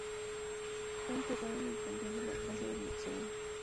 Fue enterrado en el Panteón de la Casa del Boxeador.